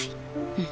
うん。